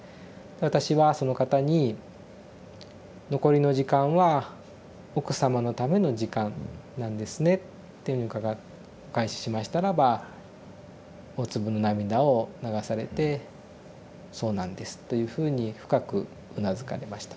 私はその方に「残りの時間は奥様のための時間なんですね」ってお返ししましたらば大粒の涙を流されて「そうなんです」というふうに深くうなずかれました。